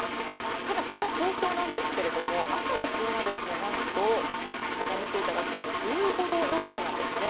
ただ、その東京なんですが朝の気温はなんと、こちらを見ていただくと１５度予想なんですね。